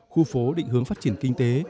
khu phố định hướng phát triển kinh tế